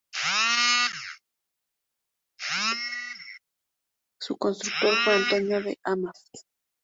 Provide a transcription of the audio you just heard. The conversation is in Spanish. Su constructor fue Antonio de Amas.